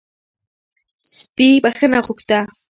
سپي بښنه غوښته